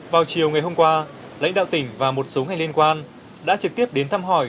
vào chiều ngày hôm qua lãnh đạo tỉnh và một số ngành liên quan đã trực tiếp đến thăm hỏi